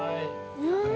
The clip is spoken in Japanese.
うん。